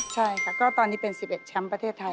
ใช่ค่ะก็ตอนนี้เป็น๑๑แชมป์ประเทศไทย